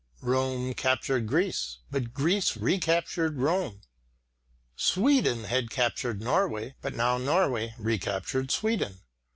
Rome captured Greece, but Greece re captured Rome. Sweden had captured Norway, but now Norway re captured Sweden.